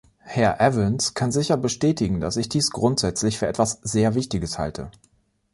Herr Evans kann sicher bestätigen, dass ich dies grundsätzlich für etwas sehr Wichtiges halte.